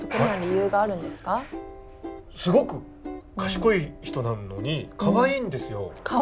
すごく賢い人なのにかわいいんですよ。